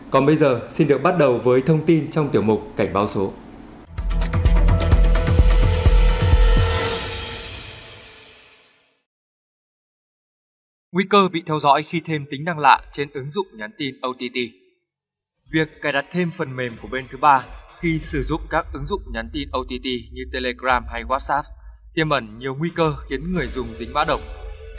còn bây giờ xin được bắt đầu với thông tin trong tiểu mục